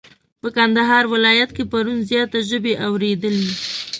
په کندهار ولايت کي پرون زياته ژبی اوريدلې.